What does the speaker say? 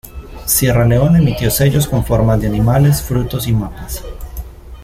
Sierra Leona emitió sellos con formas de animales, frutos y mapas.